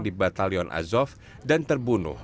di batalion azov dan terbunuh